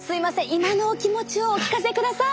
今のお気持ちをお聞かせください！